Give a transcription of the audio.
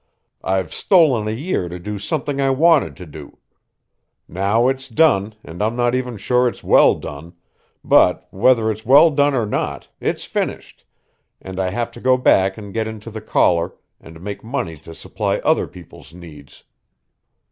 I've stolen a year to do something I wanted to do. Now it's done and I'm not even sure it's well done but whether it's well done or not, it's finished, and I have to go back and get into the collar and make money to supply other people's needs.